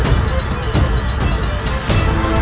amin ya rukh alamin